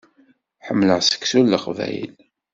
Ḥemmleɣ seksu n Leqbayel.